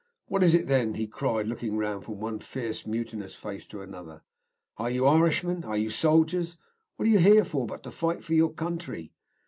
"What is it, then?" he cried, looking round from one fierce mutinous face to another. "Are you Irishmen? Are you soldiers? What are you here for but to fight for your country?"